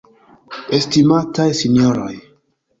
Estimataj sinjoroj!